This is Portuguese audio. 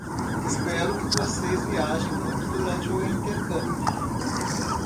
Espero que vocês viajem muito durante o intercâmbio!